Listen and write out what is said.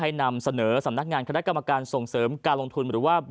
ให้นำเสนอสำนักงานโครงการส่งเสริมการลงทุน